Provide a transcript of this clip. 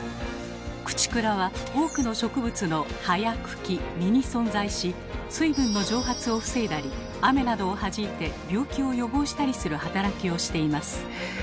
クチクラは多くの植物の葉や茎実に存在し水分の蒸発を防いだり雨などをはじいて病気を予防したりする働きをしています。